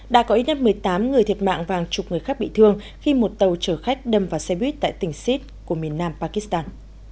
đã có ít nhất một mươi tám người thiệt mạng và hàng chục người khác bị thương khi một tàu chở khách đâm vào xe buýt tại tỉnh sid của miền nam pakistan